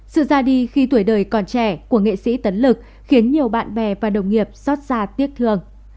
sự ra đi khi tuổi đời còn trẻ của nghệ sĩ tấn lực khiến nhiều bạn bè và đồng nghiệp xót ra tiếc thương